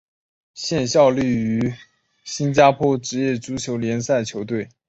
现效力于新加坡职业足球联赛球队淡滨尼流浪。